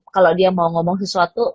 kalau dia mau ngomong sesuatu